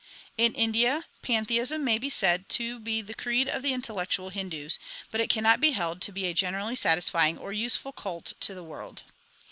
In India, pantheism may be said to be the creed of intel lectual Hindus, but it cannot be held to be a generally satisfying or useful cult to the world.